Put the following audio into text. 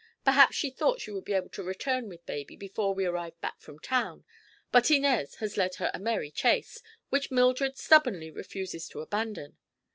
Perhaps she thought she would be able to return with baby before we arrived back from town; but Inez has led her a merry chase, which Mildred stubbornly refuses to abandon.